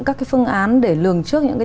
các cái phương án để lường trước những cái